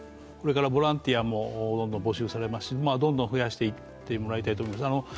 これからボランティアもどんどん募集されますし、どんどん増やしていってもらいたいと思います。